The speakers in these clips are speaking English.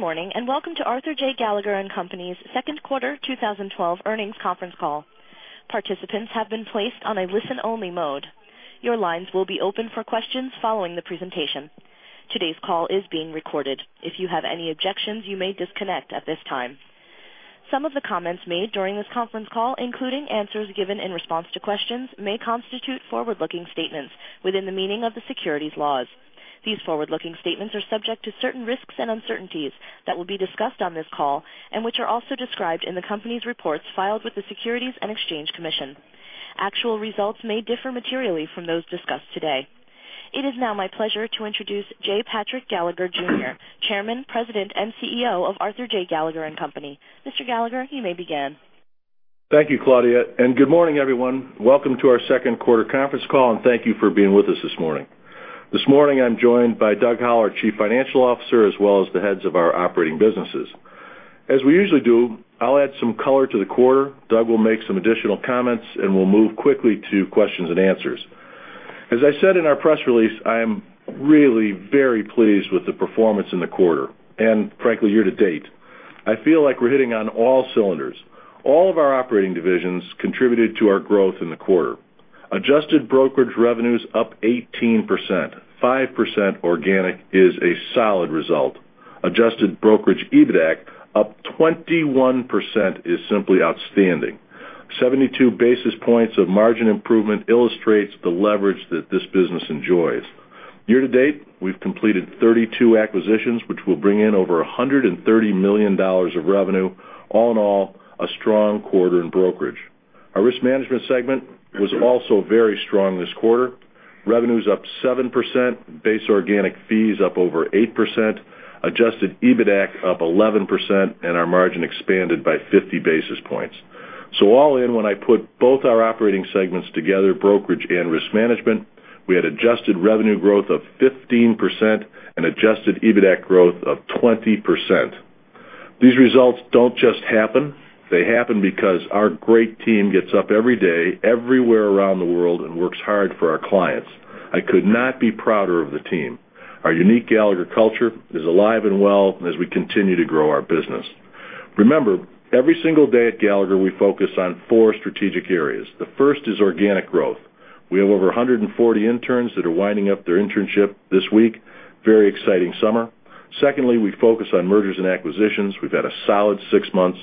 Good morning, and welcome to Arthur J. Gallagher & Co.'s second quarter 2012 earnings conference call. Participants have been placed on a listen-only mode. Your lines will be open for questions following the presentation. Today's call is being recorded. If you have any objections, you may disconnect at this time. Some of the comments made during this conference call, including answers given in response to questions, may constitute forward-looking statements within the meaning of the securities laws. These forward-looking statements are subject to certain risks and uncertainties that will be discussed on this call, and which are also described in the Company's reports filed with the Securities and Exchange Commission. Actual results may differ materially from those discussed today. It is now my pleasure to introduce J. Patrick Gallagher, Jr., Chairman, President, and CEO of Arthur J. Gallagher & Co.. Mr. Gallagher, you may begin. Thank you, Claudia. Good morning, everyone. Welcome to our second quarter conference call. Thank you for being with us this morning. This morning, I'm joined by Doug Howell, our Chief Financial Officer, as well as the heads of our operating businesses. As we usually do, I'll add some color to the quarter. Doug will make some additional comments. We'll move quickly to questions and answers. As I said in our press release, I am really very pleased with the performance in the quarter and frankly, year to date. I feel like we're hitting on all cylinders. All of our operating divisions contributed to our growth in the quarter. Adjusted brokerage revenues up 18%, 5% organic is a solid result. Adjusted brokerage EBITAC up 21% is simply outstanding. 72 basis points of margin improvement illustrates the leverage that this business enjoys. Year to date, we've completed 32 acquisitions which will bring in over $130 million of revenue. All in all, a strong quarter in brokerage. Our risk management segment was also very strong this quarter. Revenues up 7%, base organic fees up over 8%, adjusted EBITAC up 11%. Our margin expanded by 50 basis points. All in, when I put both our operating segments together, brokerage and risk management, we had adjusted revenue growth of 15% and adjusted EBITAC growth of 20%. These results don't just happen. They happen because our great team gets up every day, everywhere around the world, and works hard for our clients. I could not be prouder of the team. Our unique Gallagher culture is alive and well as we continue to grow our business. Remember, every single day at Gallagher, we focus on four strategic areas. The first is organic growth. We have over 140 interns that are winding up their internship this week. Very exciting summer. Secondly, we focus on mergers and acquisitions. We've had a solid six months.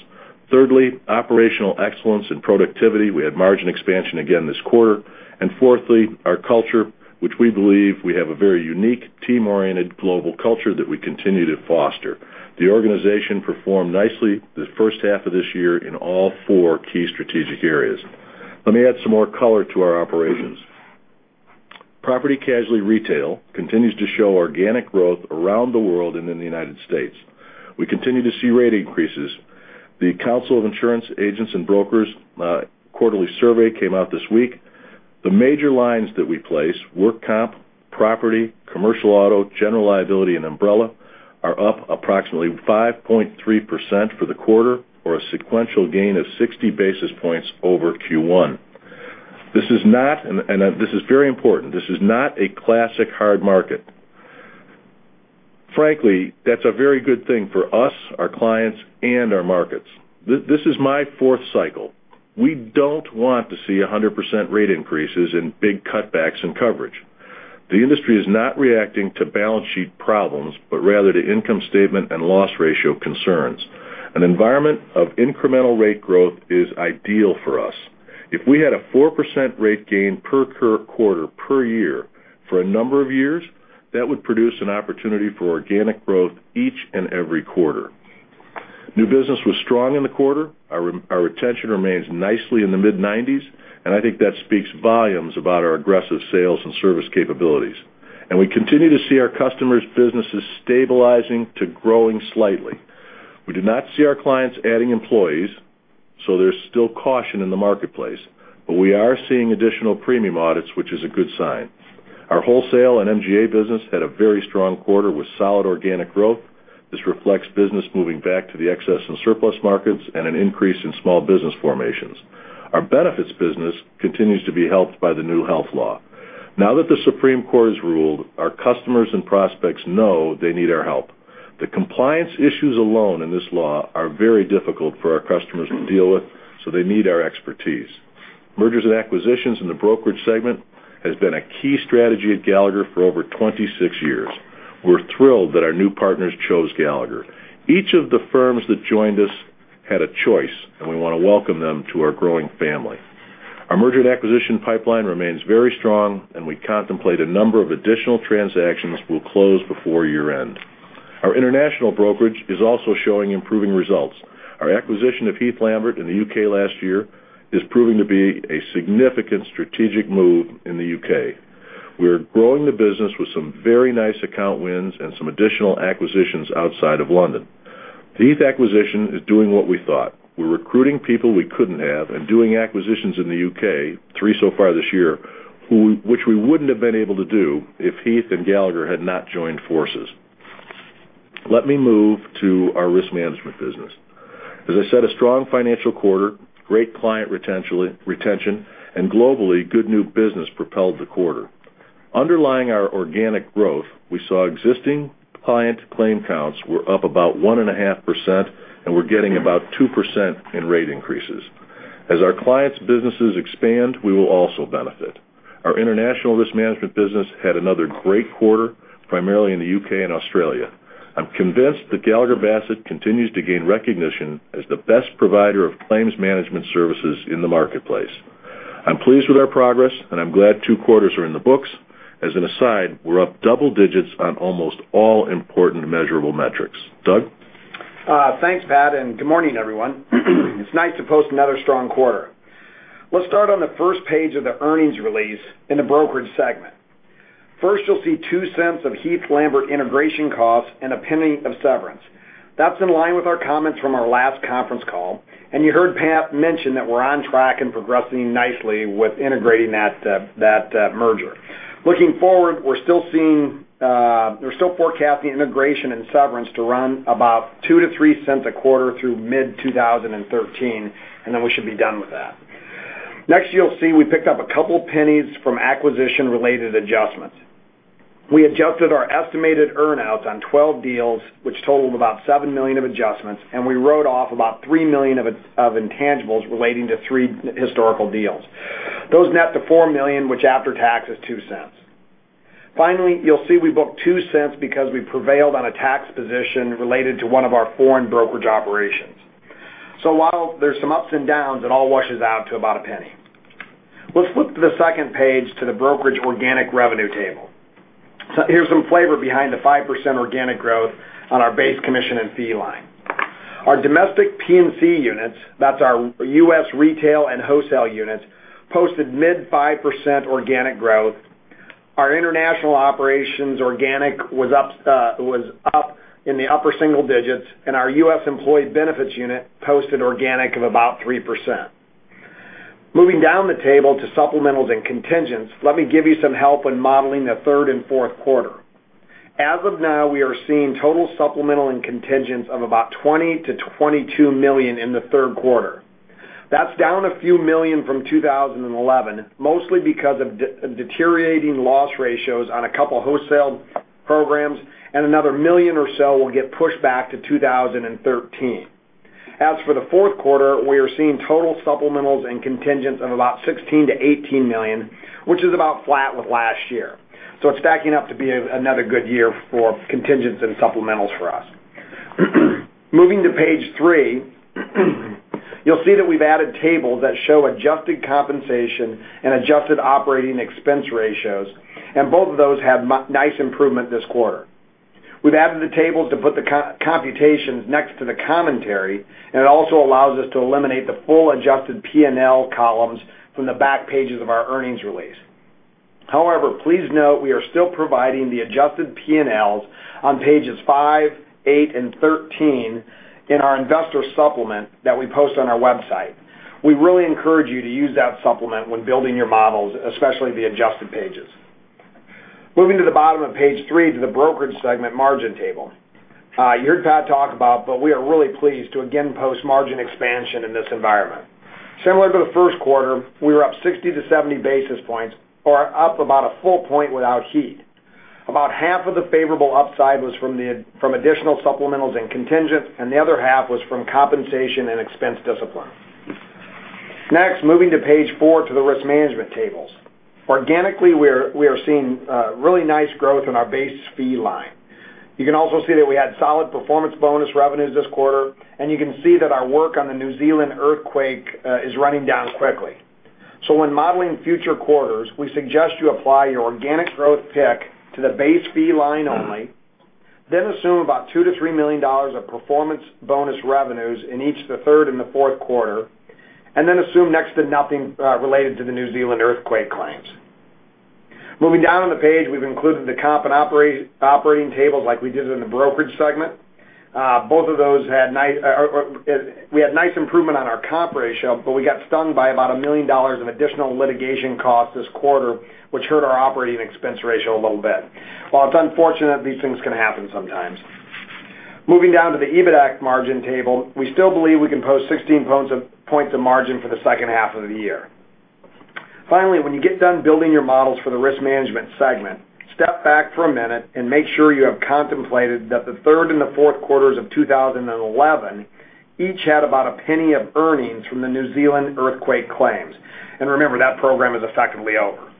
Thirdly, operational excellence and productivity. We had margin expansion again this quarter. Fourthly, our culture, which we believe we have a very unique team-oriented global culture that we continue to foster. The organization performed nicely the first half of this year in all four key strategic areas. Let me add some more color to our operations. Property casualty retail continues to show organic growth around the world and in the U.S.. We continue to see rate increases. The Council of Insurance Agents & Brokers quarterly survey came out this week. The major lines that we place, work comp, property, commercial auto, general liability, and umbrella, are up approximately 5.3% for the quarter or a sequential gain of 60 basis points over Q1. This is very important. This is not a classic hard market. Frankly, that's a very good thing for us, our clients, and our markets. This is my fourth cycle. We don't want to see 100% rate increases and big cutbacks in coverage. The industry is not reacting to balance sheet problems, but rather to income statement and loss ratio concerns. An environment of incremental rate growth is ideal for us. If we had a 4% rate gain per quarter, per year for a number of years, that would produce an opportunity for organic growth each and every quarter. New business was strong in the quarter. Our retention remains nicely in the mid-90s, and I think that speaks volumes about our aggressive sales and service capabilities. We continue to see our customers' businesses stabilizing to growing slightly. We do not see our clients adding employees, so there's still caution in the marketplace. But we are seeing additional premium audits, which is a good sign. Our wholesale and MGA business had a very strong quarter with solid organic growth. This reflects business moving back to the excess and surplus markets and an increase in small business formations. Our benefits business continues to be helped by the new health law. Now that the Supreme Court has ruled, our customers and prospects know they need our help. The compliance issues alone in this law are very difficult for our customers to deal with, so they need our expertise. Mergers and acquisitions in the brokerage segment has been a key strategy at Gallagher for over 26 years. We're thrilled that our new partners chose Gallagher. Each of the firms that joined us had a choice, and we want to welcome them to our growing family. Our merger and acquisition pipeline remains very strong, and we contemplate a number of additional transactions will close before year-end. Our international brokerage is also showing improving results. Our acquisition of Heath Lambert in the U.K. last year is proving to be a significant strategic move in the U.K. We are growing the business with some very nice account wins and some additional acquisitions outside of London. The Heath acquisition is doing what we thought. We're recruiting people we couldn't have and doing acquisitions in the U.K., three so far this year, which we wouldn't have been able to do if Heath and Gallagher had not joined forces. Let me move to our risk management business. As I said, a strong financial quarter, great client retention, and globally, good new business propelled the quarter. Underlying our organic growth, we saw existing client claim counts were up about 1.5%, and we're getting about 2% in rate increases. As our clients' businesses expand, we will also benefit. Our international risk management business had another great quarter, primarily in the U.K. and Australia. I'm convinced that Gallagher Bassett continues to gain recognition as the best provider of claims management services in the marketplace. I'm pleased with our progress, and I'm glad two quarters are in the books. As an aside, we're up double digits on almost all important measurable metrics. Doug? Thanks, Pat, and good morning, everyone. It's nice to post another strong quarter. Let's start on the first page of the earnings release in the brokerage segment. First, you'll see $0.02 of Heath Lambert integration costs and $0.01 of severance. That's in line with our comments from our last conference call, and you heard Pat mention that we're on track and progressing nicely with integrating that merger. Looking forward, we're still forecasting integration and severance to run about $0.02-$0.03 a quarter through mid-2013, and then we should be done with that. Next, you'll see we picked up about $0.02 from acquisition-related adjustments. We adjusted our estimated earn-outs on 12 deals, which totaled about $7 million of adjustments, and we wrote off about $3 million of intangibles relating to three historical deals. Those net to $4 million, which after tax is $0.02. Finally, you'll see we booked $0.02 because we prevailed on a tax position related to one of our foreign brokerage operations. While there's some ups and downs, it all washes out to about $0.01. Let's flip to the second page to the brokerage organic revenue table. Here's some flavor behind the 5% organic growth on our base commission and fee line. Our domestic P&C units, that's our U.S. retail and wholesale units, posted mid 5% organic growth. Our international operations organic was up in the upper single digits, and our U.S. employee benefits unit posted organic of about 3%. Moving down the table to supplementals and contingents, let me give you some help when modeling the third and fourth quarter. As of now, we are seeing total supplemental and contingents of about $20 million-$22 million in the third quarter. That's down a few million from 2011, mostly because of deteriorating loss ratios on a couple wholesale programs, and another million or so will get pushed back to 2013. As for the fourth quarter, we are seeing total supplementals and contingents of about $16 million-$18 million, which is about flat with last year. It's stacking up to be another good year for contingents and supplementals for us. Moving to page three, you'll see that we've added tables that show adjusted compensation and adjusted operating expense ratios, and both of those have nice improvement this quarter. We've added the tables to put the computations next to the commentary, and it also allows us to eliminate the full adjusted P&L columns from the back pages of our earnings release. However, please note we are still providing the adjusted P&Ls on pages 5, 8, and 13 in our investor supplement that we post on our website. We really encourage you to use that supplement when building your models, especially the adjusted pages. Moving to the bottom of page 3 to the Brokerage Segment margin table. You heard Pat talk about, but we are really pleased to again post margin expansion in this environment. Similar to the first quarter, we were up 60-70 basis points or up about a 1 point without Heath. About half of the favorable upside was from additional supplementals and contingent, and the other half was from compensation and expense discipline. Next, moving to page 4 to the Risk Management tables. Organically, we are seeing really nice growth in our base fee line. You can also see that we had solid performance bonus revenues this quarter, and you can see that our work on the New Zealand earthquake is running down quickly. When modeling future quarters, we suggest you apply your organic growth pick to the base fee line only, then assume about $2 million-$3 million of performance bonus revenues in each the third and fourth quarter, and then assume next to nothing related to the New Zealand earthquake claims. Moving down on the page, we've included the comp and operating tables like we did in the Brokerage Segment. We had nice improvement on our comp ratio, but we got stung by about $1 million in additional litigation costs this quarter, which hurt our operating expense ratio a little bit. While it's unfortunate, these things can happen sometimes. Moving down to the EBITA margin table, we still believe we can post 16 points of margin for the second half of the year. Finally, when you get done building your models for the Risk Management Segment, step back for a minute and make sure you have contemplated that the third and fourth quarters of 2011 each had about $0.01 of earnings from the New Zealand earthquake claims. Remember, that program is effectively over.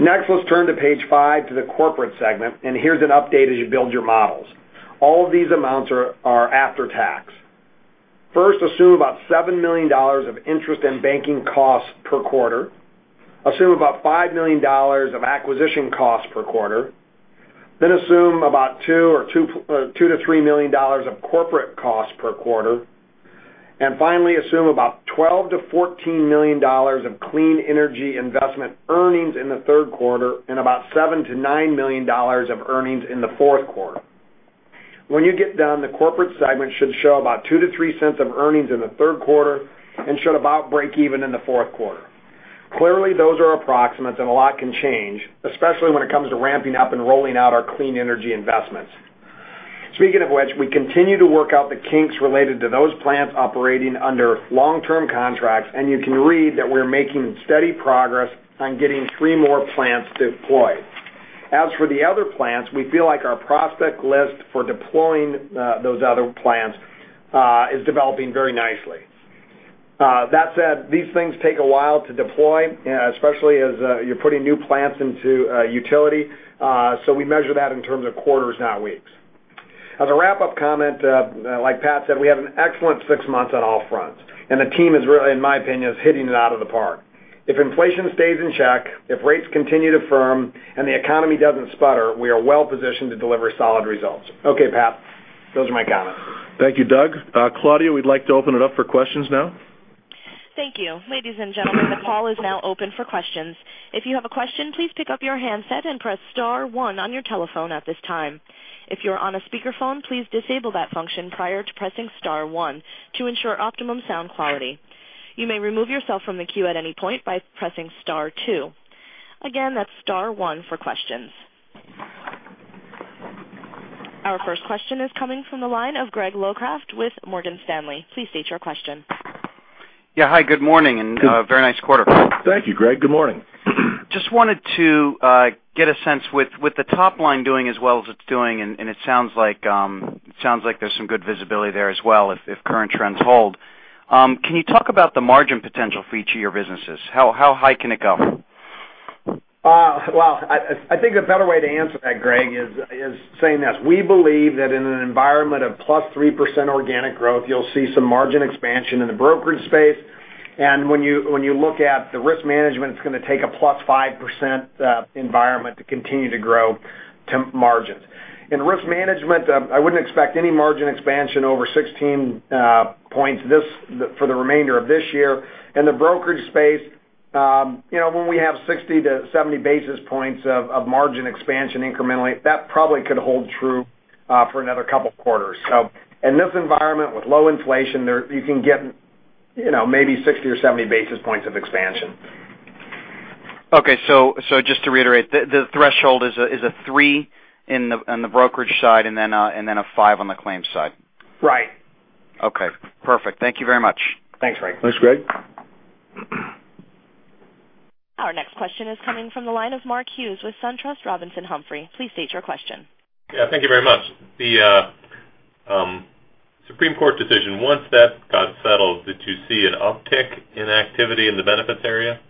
Next, let's turn to page 5 to the Corporate Segment, and here's an update as you build your models. All of these amounts are after tax. First, assume about $7 million of interest and banking costs per quarter. Assume about $5 million of acquisition costs per quarter. Then assume about $2 million-$3 million of corporate costs per quarter. Assume about $12 million-$14 million of clean energy investment earnings in the third quarter and about $7 million-$9 million of earnings in the fourth quarter. When you get done, the Corporate Segment should show about $0.02-$0.03 of earnings in the third quarter and should about break even in the fourth quarter. Clearly, those are approximates and a lot can change, especially when it comes to ramping up and rolling out our clean energy investments. Speaking of which, we continue to work out the kinks related to those plants operating under long-term contracts, and you can read that we're making steady progress on getting 3 more plants deployed. As for the other plants, we feel like our prospect list for deploying those other plants is developing very nicely. That said, these things take a while to deploy, especially as you're putting new plants into utility. We measure that in terms of quarters, not weeks. As a wrap-up comment, like Pat said, we had an excellent six months on all fronts, and the team is really, in my opinion, is hitting it out of the park. If inflation stays in check, if rates continue to firm, and the economy doesn't sputter, we are well positioned to deliver solid results. Okay, Pat, those are my comments. Thank you, Doug. Claudia, we'd like to open it up for questions now. Thank you. Ladies and gentlemen, the call is now open for questions. If you have a question, please pick up your handset and press star one on your telephone at this time. If you are on a speakerphone, please disable that function prior to pressing star one to ensure optimum sound quality. You may remove yourself from the queue at any point by pressing star two. Again, that's star one for questions. Our first question is coming from the line of Gregory Locraft with Morgan Stanley. Please state your question. Yeah. Hi, good morning. Very nice quarter. Thank you, Greg. Good morning. Just wanted to get a sense with the top line doing as well as it's doing, and it sounds like there's some good visibility there as well if current trends hold. Can you talk about the margin potential for each of your businesses? How high can it go? Well, I think a better way to answer that, Greg, is saying this. We believe that in an environment of +3% organic growth, you'll see some margin expansion in the brokerage space. When you look at the risk management, it's going to take a +5% environment to continue to grow to margins. In risk management, I wouldn't expect any margin expansion over 16 points for the remainder of this year. In the brokerage space, when we have 60-70 basis points of margin expansion incrementally, that probably could hold true for another couple of quarters. In this environment with low inflation, you can get maybe 60 or 70 basis points of expansion. Okay. Just to reiterate, the threshold is a 3 on the brokerage side and then a 5 on the claims side. Right. Okay, perfect. Thank you very much. Thanks, Greg. Thanks, Greg. Our next question is coming from the line of Mark Hughes with SunTrust Robinson Humphrey. Please state your question. Yeah, thank you very much. The Supreme Court decision, once that got settled, did you see an uptick in activity in the benefits area?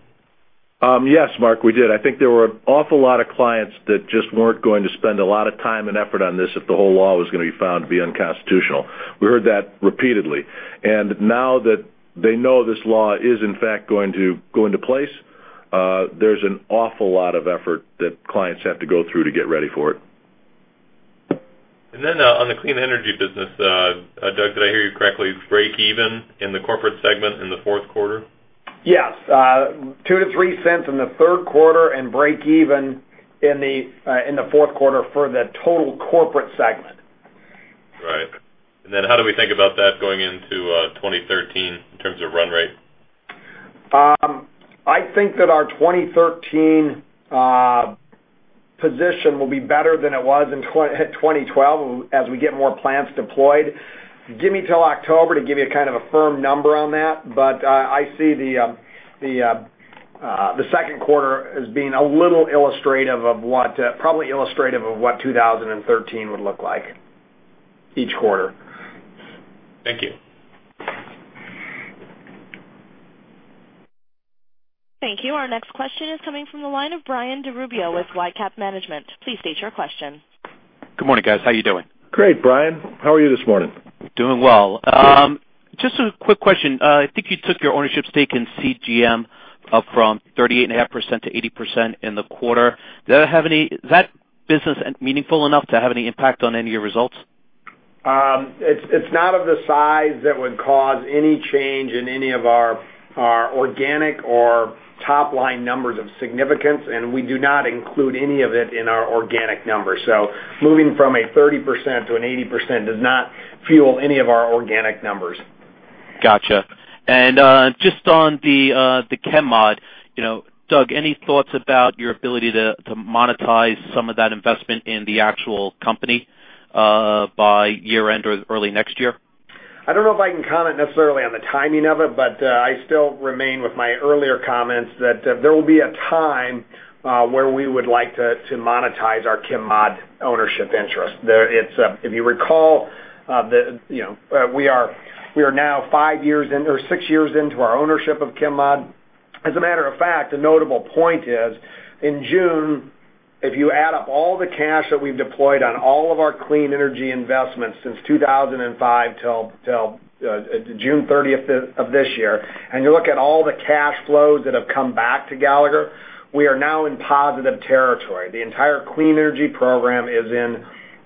Yes, Mark, we did. I think there were an awful lot of clients that just weren't going to spend a lot of time and effort on this if the whole law was going to be found to be unconstitutional. We heard that repeatedly. Now that they know this law is in fact going to go into place, there's an awful lot of effort that clients have to go through to get ready for it. Then on the clean energy business, Doug, did I hear you correctly, breakeven in the corporate segment in the fourth quarter? Yes. $0.02-$0.03 in the third quarter and breakeven in the fourth quarter for the total corporate segment. Right. Then how do we think about that going into 2013 in terms of run rate? I think that our 2013 position will be better than it was in 2012 as we get more plants deployed. Give me till October to give you a firm number on that, but I see the second quarter as being probably illustrative of what 2013 would look like each quarter. Thank you. Thank you. Our next question is coming from the line of Brian DeRubbio with Lightcap Management. Please state your question. Good morning, guys. How are you doing? Great, Brian. How are you this morning? Doing well. Good. Just a quick question. I think you took your ownership stake in CGM up from 38.5% to 80% in the quarter. Is that business meaningful enough to have any impact on any of your results? It's not of the size that would cause any change in any of our organic or top-line numbers of significance, and we do not include any of it in our organic numbers. Moving from a 30% to an 80% does not fuel any of our organic numbers. Got you. Just on the Chem-Mod, Doug, any thoughts about your ability to monetize some of that investment in the actual company by year-end or early next year? I don't know if I can comment necessarily on the timing of it, but I still remain with my earlier comments that there will be a time where we would like to monetize our Chem-Mod ownership interest. If you recall, we are now six years into our ownership of Chem-Mod. As a matter of fact, a notable point is in June, if you add up all the cash that we've deployed on all of our clean energy investments since 2005 till June 30th of this year, and you look at all the cash flows that have come back to Gallagher, we are now in positive territory. The entire clean energy program is in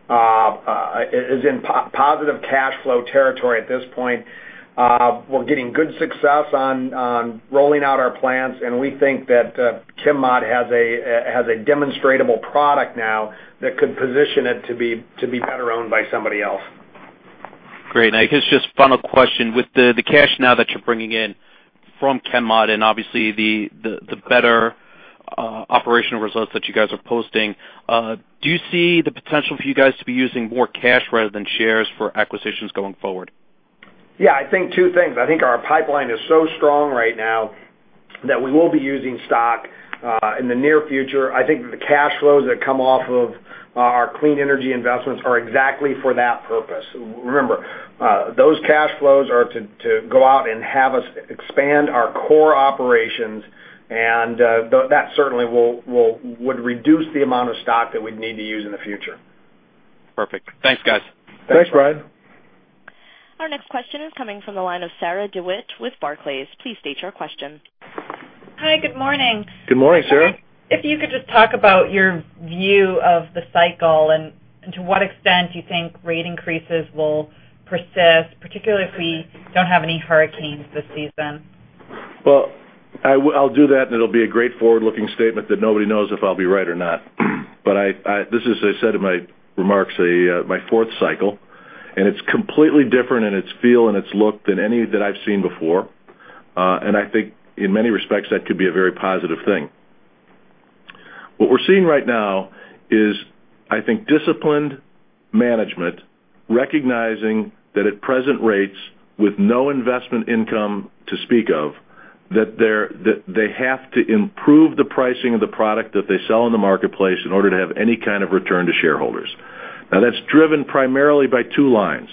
positive cash flow territory at this point. We're getting good success on rolling out our plans, and we think that Chem-Mod has a demonstrable product now that could position it to be better owned by somebody else. Great. I guess just final question, with the cash now that you're bringing in from Chem-Mod and obviously the better operational results that you guys are posting, do you see the potential for you guys to be using more cash rather than shares for acquisitions going forward? Yeah, I think two things. I think our pipeline is so strong right now that we will be using stock in the near future. I think that the cash flows that come off of our clean energy investments are exactly for that purpose. Remember, those cash flows are to go out and have us expand our core operations, and that certainly would reduce the amount of stock that we'd need to use in the future. Perfect. Thanks, guys. Thanks, Brian. Our next question is coming from the line of Sarah DeWitt with Barclays. Please state your question. Hi, good morning. Good morning, Sarah. If you could just talk about your view of the cycle and to what extent you think rate increases will persist, particularly if we don't have any hurricanes this season. Well, I'll do that, and it'll be a great forward-looking statement that nobody knows if I'll be right or not. This is, as I said in my remarks, my fourth cycle, and it's completely different in its feel and its look than any that I've seen before. I think in many respects, that could be a very positive thing. What we're seeing right now is, I think, disciplined management recognizing that at present rates, with no investment income to speak of, that they have to improve the pricing of the product that they sell in the marketplace in order to have any kind of return to shareholders. Now, that's driven primarily by two lines.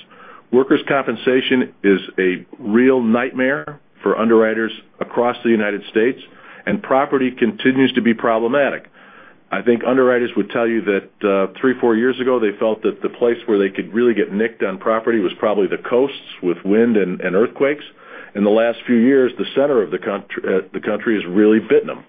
Workers' compensation is a real nightmare for underwriters across the United States, and property continues to be problematic. I think underwriters would tell you that three, four years ago, they felt that the place where they could really get nicked on property was probably the coasts with wind and earthquakes. In the last few years, the center of the country has really bitten them.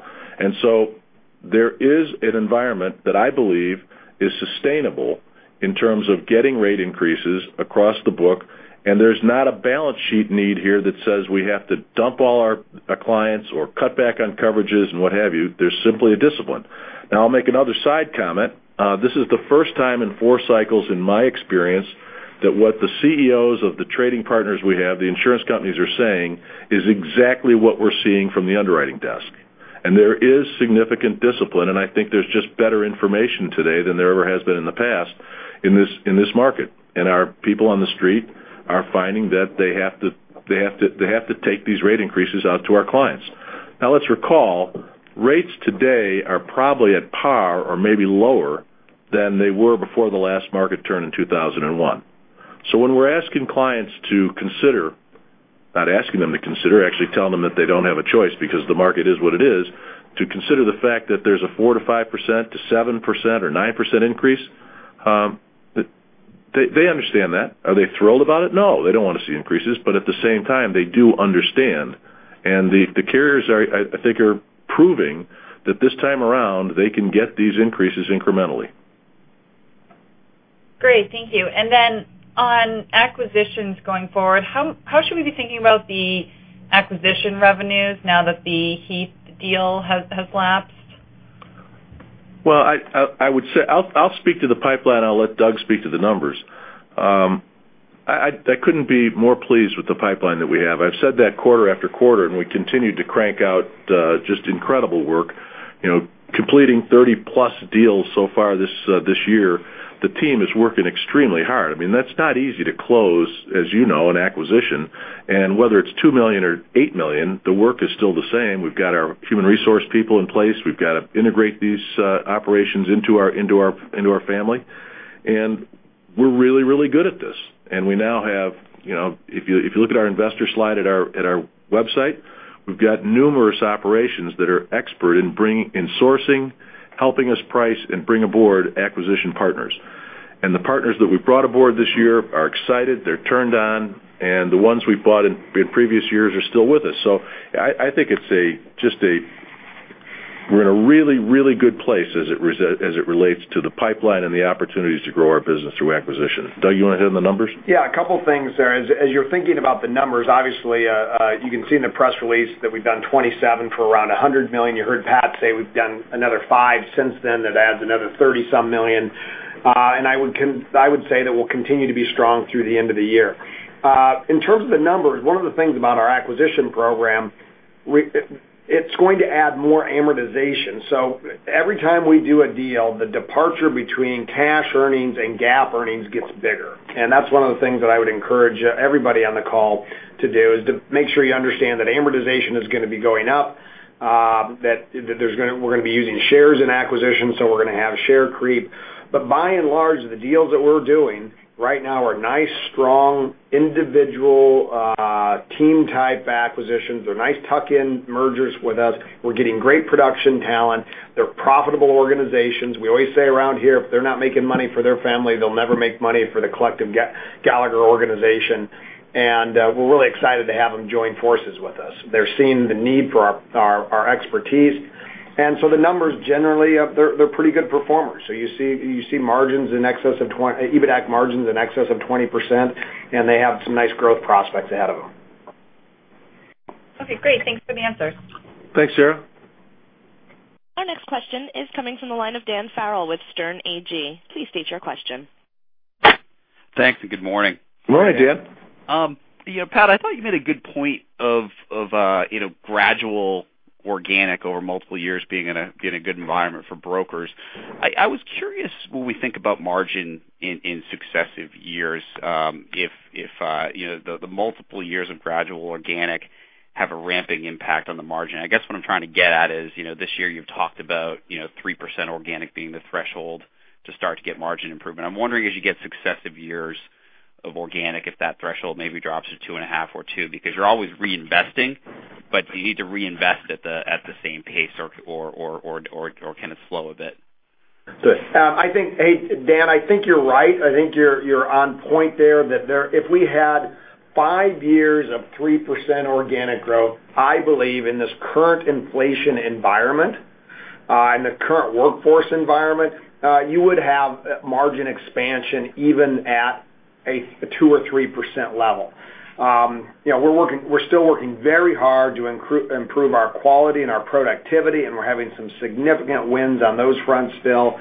There is an environment that I believe is sustainable in terms of getting rate increases across the book, and there's not a balance sheet need here that says we have to dump all our clients or cut back on coverages and what have you. There's simply a discipline. Now, I'll make another side comment. This is the first time in four cycles in my experience that what the CEOs of the trading partners we have, the insurance companies are saying, is exactly what we're seeing from the underwriting desk. There is significant discipline, and I think there's just better information today than there ever has been in the past in this market. Our people on the street are finding that they have to take these rate increases out to our clients. Now let's recall, rates today are probably at par or maybe lower than they were before the last market turn in 2001. When we're asking clients to consider, not asking them to consider, actually telling them that they don't have a choice because the market is what it is, to consider the fact that there's a 4%-5% to 7% or 9% increase, they understand that. Are they thrilled about it? No, they don't want to see increases, but at the same time, they do understand. The carriers, I think, are proving that this time around, they can get these increases incrementally. Great. Thank you. On acquisitions going forward, how should we be thinking about the acquisition revenues now that the Heath deal has lapsed? Well, I'll speak to the pipeline. I'll let Doug speak to the numbers. I couldn't be more pleased with the pipeline that we have. I've said that quarter after quarter, we continued to crank out just incredible work. Completing 30+ deals so far this year, the team is working extremely hard. That's not easy to close, as you know, an acquisition. Whether it's $2 million or $8 million, the work is still the same. We've got our human resource people in place. We've got to integrate these operations into our family. We're really, really good at this. We now have, if you look at our investor slide at our website, we've got numerous operations that are expert in sourcing, helping us price, and bring aboard acquisition partners. The partners that we've brought aboard this year are excited, they're turned on, and the ones we've bought in previous years are still with us. I think we're in a really, really good place as it relates to the pipeline and the opportunities to grow our business through acquisition. Doug, you want to hit on the numbers? Yeah, a couple of things there. As you're thinking about the numbers, obviously, you can see in the press release that we've done 27 for around $100 million. You heard Pat say we've done another five since then. That adds another $30 some million. I would say that we'll continue to be strong through the end of the year. In terms of the numbers, one of the things about our acquisition program, it's going to add more amortization. Every time we do a deal, the departure between cash earnings and GAAP earnings gets bigger. That's one of the things that I would encourage everybody on the call to do, is to make sure you understand that amortization is going to be going up, that we're going to be using shares in acquisitions, so we're going to have share creep. By and large, the deals that we're doing right now are nice, strong individual team type acquisitions. They're nice tuck-in mergers with us. We're getting great production talent. They're profitable organizations. We always say around here, if they're not making money for their family, they'll never make money for the collective Gallagher organization. We're really excited to have them join forces with us. They're seeing the need for our expertise. The numbers generally, they're pretty good performers. You see EBITAC margins in excess of 20%, and they have some nice growth prospects ahead of them. Okay, great. Thanks for the answer. Thanks, Sarah. Our next question is coming from the line of Dan Farrell with Sterne Agee. Please state your question. Thanks, and good morning. Good morning, Dan. Pat, I thought you made a good point of gradual organic over multiple years being in a good environment for brokers. I was curious when we think about margin in successive years, if the multiple years of gradual organic have a ramping impact on the margin. I guess what I'm trying to get at is, this year you've talked about 3% organic being the threshold to start to get margin improvement. I'm wondering, as you get successive years of organic, if that threshold maybe drops to two and a half or two, because you're always reinvesting, do you need to reinvest at the same pace or can it slow a bit? Dan, I think you're right. I think you're on point there. If we had five years of 3% organic growth, I believe in this current inflation environment, in the current workforce environment, you would have margin expansion even at a 2% or 3% level. We're still working very hard to improve our quality and our productivity, and we're having some significant wins on those fronts still.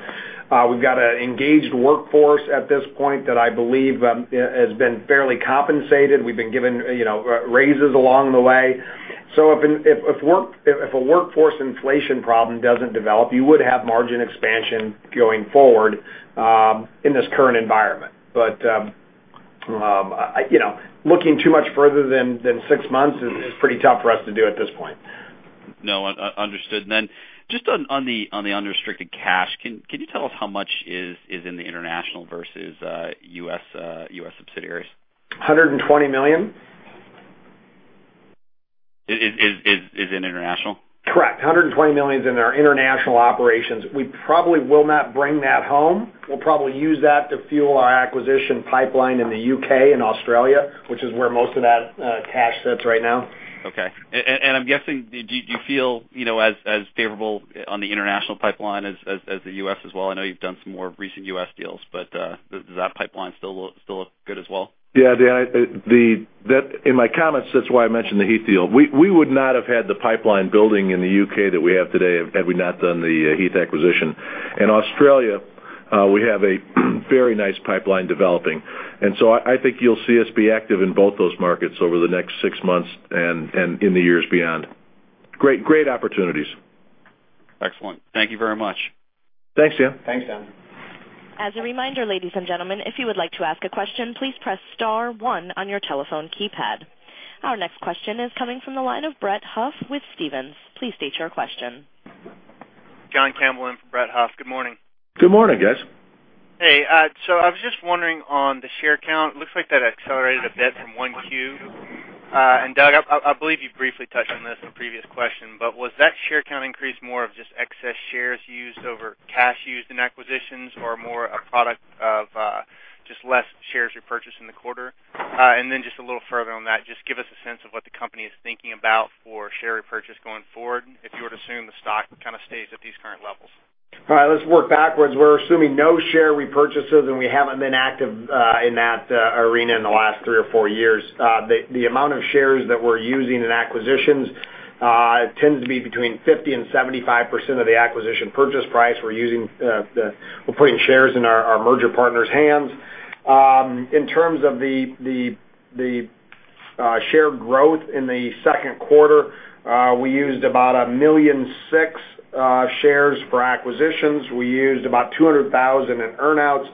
We've got an engaged workforce at this point that I believe has been fairly compensated. We've been given raises along the way. If a workforce inflation problem doesn't develop, you would have margin expansion going forward in this current environment. Looking too much further than six months is pretty tough for us to do at this point. No, understood. Then just on the unrestricted cash, can you tell us how much is in the international versus U.S. subsidiaries? $120 million. Is in international? Correct. $120 million is in our international operations. We probably will not bring that home. We'll probably use that to fuel our acquisition pipeline in the U.K. and Australia, which is where most of that cash sits right now. Okay. I'm guessing, do you feel as favorable on the international pipeline as the U.S. as well? I know you've done some more recent U.S. deals, but does that pipeline still look good as well? Yeah, Dan. In my comments, that's why I mentioned the Heath deal. We would not have had the pipeline building in the U.K. that we have today had we not done the Heath acquisition. In Australia, we have a very nice pipeline developing. I think you'll see us be active in both those markets over the next six months and in the years beyond. Great opportunities. Excellent. Thank you very much. Thanks, Dan. Thanks, Dan. As a reminder, ladies and gentlemen, if you would like to ask a question, please press *1 on your telephone keypad. Our next question is coming from the line of Brett Huff with Stephens. Please state your question. John Campbell in for Brett Huff. Good morning. Good morning, guys. Hey. I was just wondering on the share count, looks like that accelerated a bit from 1Q. Doug, I believe you briefly touched on this in a previous question, but was that share count increase more of just excess shares used over cash used in acquisitions or more a product of just less shares repurchased in the quarter? Then just a little further on that, just give us a sense of what the company is thinking about for share repurchase going forward, if you were to assume the stock kind of stays at these current levels. All right. Let's work backwards. We're assuming no share repurchases, and we haven't been active in that arena in the last three or four years. The amount of shares that we're using in acquisitions tends to be between 50%-75% of the acquisition purchase price. We're putting shares in our merger partners' hands. In terms of the share growth in the second quarter, we used about 1.6 million shares for acquisitions. We used about 200,000 in earn-outs,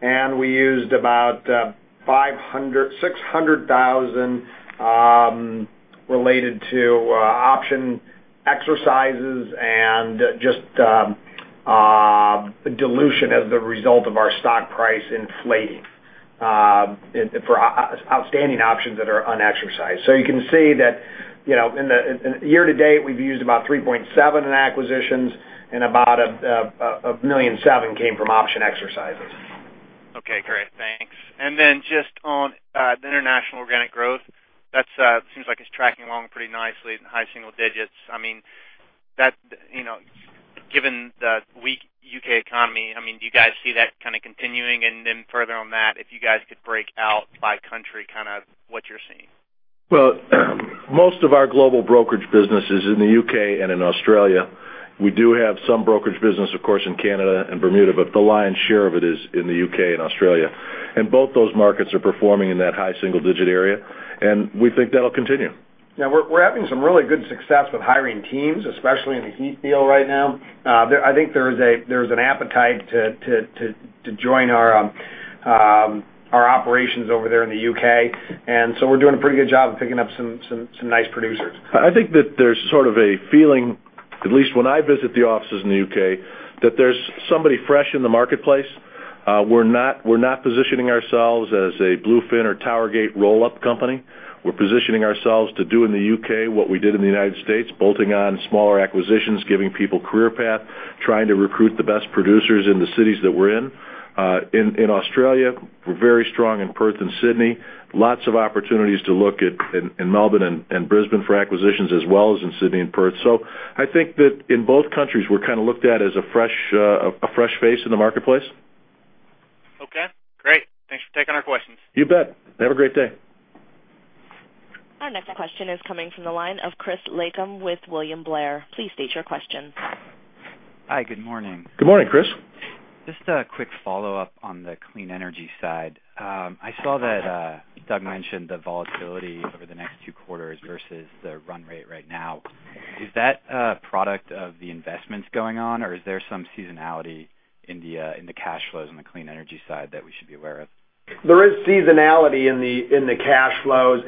and we used about 600,000 related to option exercises and just dilution as the result of our stock price inflating for outstanding options that are unexercised. You can see that in the year to date, we've used about 3.7 in acquisitions, and about 1.7 million came from option exercises. Okay, great. Thanks. Just on the international organic growth, that seems like it's tracking along pretty nicely in the high single digits. Given the weak U.K. economy, do you guys see that kind of continuing? Further on that, if you guys could break out by country kind of what you're seeing. Most of our global brokerage business is in the U.K. and in Australia. We do have some brokerage business, of course, in Canada and Bermuda, but the lion's share of it is in the U.K. and Australia. Both those markets are performing in that high single-digit area, and we think that'll continue. Yeah. We're having some really good success with hiring teams, especially in the Heath deal right now. I think there's an appetite to join our operations over there in the U.K., and so we're doing a pretty good job of picking up some nice producers. I think that there's sort of a feeling, at least when I visit the offices in the U.K., that there's somebody fresh in the marketplace. We're not positioning ourselves as a Bluefin or Towergate roll-up company. We're positioning ourselves to do in the U.K. what we did in the United States, bolting on smaller acquisitions, giving people career path, trying to recruit the best producers in the cities that we're in. In Australia, we're very strong in Perth and Sydney. Lots of opportunities to look in Melbourne and Brisbane for acquisitions as well as in Sydney and Perth. I think that in both countries, we're kind of looked at as a fresh face in the marketplace. Okay, great. Thanks for taking our questions. You bet. Have a great day. Our next question is coming from the line of Chris Lakum with William Blair. Please state your question. Hi. Good morning. Good morning, Chris. Just a quick follow-up on the clean energy side. I saw that Doug mentioned the volatility over the next two quarters versus the run rate right now. Is that a product of the investments going on or is there some seasonality in the cash flows in the clean energy side that we should be aware of? There is seasonality in the cash flows.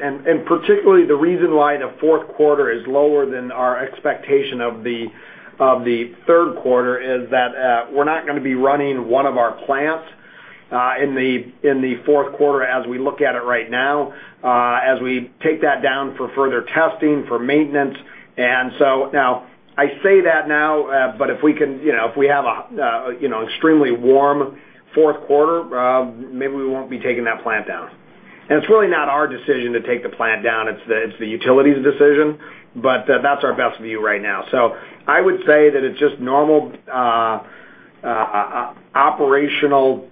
Particularly the reason why the fourth quarter is lower than our expectation of the third quarter is that we're not going to be running one of our plants in the fourth quarter as we look at it right now, as we take that down for further testing, for maintenance. I say that now, but if we have an extremely warm fourth quarter, maybe we won't be taking that plant down. It's really not our decision to take the plant down, it's the utility's decision, but that's our best view right now. I would say that it's just normal operational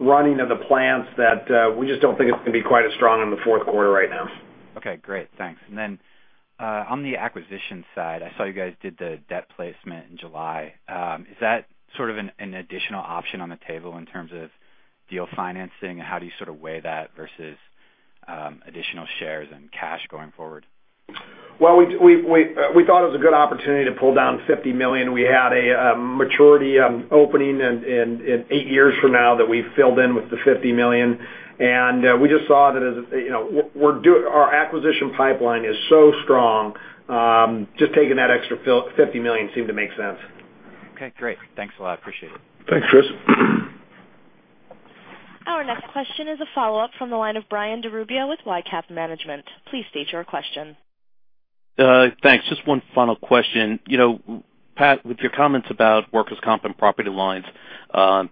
running of the plants that we just don't think it's going to be quite as strong in the fourth quarter right now. Okay, great. Thanks. Then on the acquisition side, I saw you guys did the debt placement in July. Is that sort of an additional option on the table in terms of deal financing, and how do you sort of weigh that versus additional shares and cash going forward? Well, we thought it was a good opportunity to pull down $50 million. We had a maturity opening in eight years from now that we filled in with the $50 million, and we just saw that our acquisition pipeline is so strong, just taking that extra $50 million seemed to make sense. Okay, great. Thanks a lot. Appreciate it. Thanks, Chris. Our next question is a follow-up from the line of Brian DeRubbio with Lightcap Management. Please state your question. Thanks. Just one final question. Pat, with your comments about workers' comp and property lines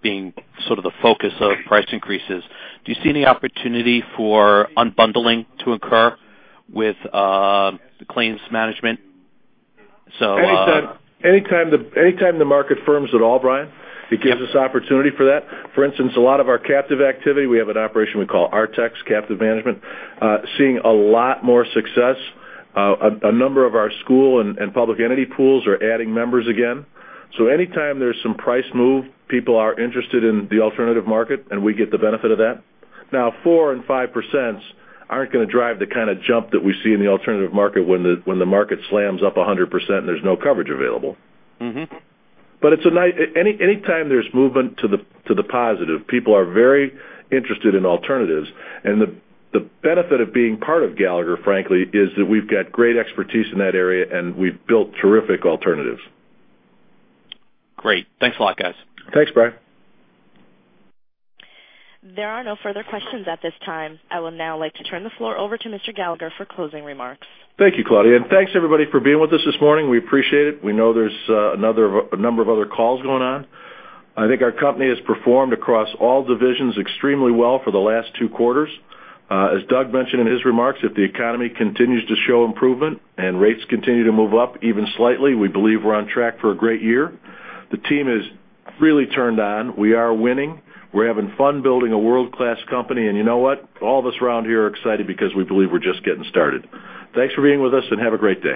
being sort of the focus of price increases, do you see any opportunity for unbundling to occur with claims management? Anytime the market firms at all, Brian, it gives us opportunity for that. For instance, a lot of our captive activity, we have an operation we call Artex Captive Management, seeing a lot more success. A number of our school and public entity pools are adding members again. Anytime there's some price move, people are interested in the alternative market, and we get the benefit of that. Now, 4% and 5% aren't going to drive the kind of jump that we see in the alternative market when the market slams up 100% and there's no coverage available. Anytime there's movement to the positive, people are very interested in alternatives. The benefit of being part of Gallagher, frankly, is that we've got great expertise in that area and we've built terrific alternatives. Great. Thanks a lot, guys. Thanks, Brian. There are no further questions at this time. I would now like to turn the floor over to Mr. Gallagher for closing remarks. Thank you, Claudia, and thanks everybody for being with us this morning. We appreciate it. We know there's a number of other calls going on. I think our company has performed across all divisions extremely well for the last two quarters. As Doug mentioned in his remarks, if the economy continues to show improvement and rates continue to move up even slightly, we believe we're on track for a great year. The team is really turned on. We are winning. We're having fun building a world-class company, and you know what? All of us around here are excited because we believe we're just getting started. Thanks for being with us, and have a great day.